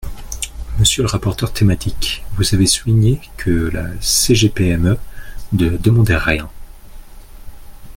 Monsieur le rapporteur thématique, vous avez souligné que la CGPME ne demandait rien.